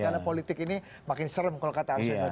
karena politik ini makin serem kalau kata arsena